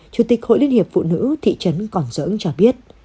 chủ tịch hội liên hiệp phụ nữ thị trấn còn dỡn cho biết